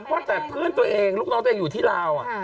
ว่าแต่เพื่อนตัวเองลูกน้องตัวเองอยู่ที่ลาว